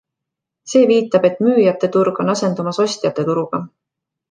See viitab, et müüjate turg on asendumas ostjate turuga.